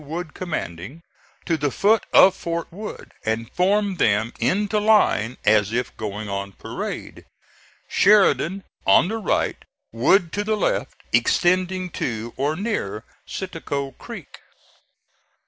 Wood commanding, to the foot of Fort Wood, and formed them into line as if going on parade, Sheridan on the right, Wood to the left, extending to or near Citico Creek.